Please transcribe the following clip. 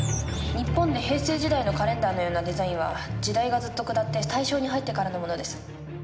日本で平成時代のカレンダーのようなデザインは時代がずっと下って大正に入ってからのものです。